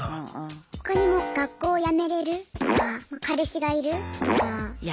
他にも学校辞めれる？とか彼氏がいる？とか。